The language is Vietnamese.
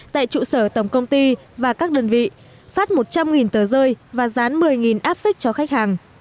tại trụ sở tổng công ty và các đơn vị phát một trăm linh tờ rơi và rán một mươi affix cho khách hàng